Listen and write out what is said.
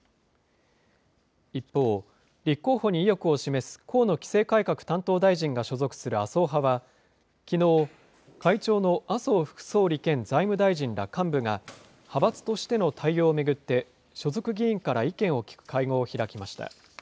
一方、立候補に意欲を示す河野規制改革担当大臣が所属する麻生派は、きのう、会長の麻生副総理兼財務大臣ら幹部が、派閥としての対応を巡って、所属議員から意見を聞く会合を開きました。